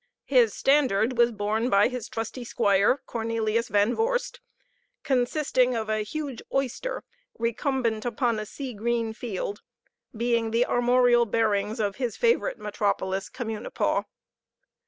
His standard was borne by his trusty squire, Cornelius Van Vorst, consisting of a huge oyster recumbent upon a sea green field, being the armorial bearings of his favorite metropolis, Communipaw.